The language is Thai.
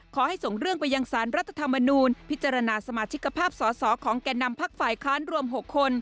ขอให้ส่งเรื่องไปยังสารรัฐธรรมนูลพิจารณาสมาชิกภาพสอสอของแก่นำพักฝ่ายค้านรวม๖คน